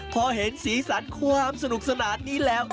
พอเห็นสีสันความสนุกสนานนี้แล้ว